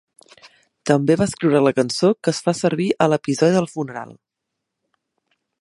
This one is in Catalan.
També va escriure la cançó que es fa servir a l'episodi del funeral.